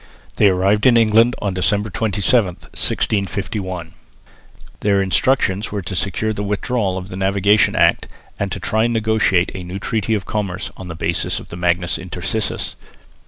They arrived in England on December 27, 1651. Their instructions were to secure the withdrawal of the Navigation Act and to try to negotiate a new treaty of commerce on the basis of the Magnus Intercursus.